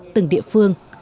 từng địa phương